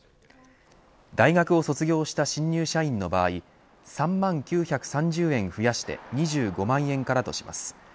大学を卒業した新入社員の場合３万９３０円増やして２５万円からとします。